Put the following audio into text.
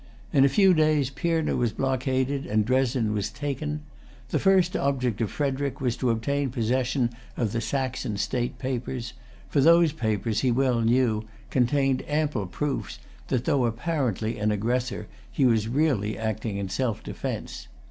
In a few days Pirna was blockaded and Dresden was taken. The first object of Frederic was to obtain possession of the Saxon State Papers; for those papers, he well knew, contained ample proofs that, though apparently an aggressor, he was really acting in self defence.